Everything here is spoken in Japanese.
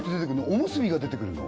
おむすびが出てくるの？